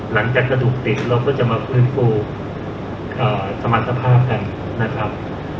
กระดูกติดเราก็จะมาฟื้นฟูสมรรถภาพกันนะครับ